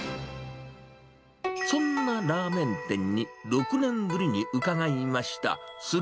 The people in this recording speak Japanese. そんなラーメン店に、６年ぶりに伺いました。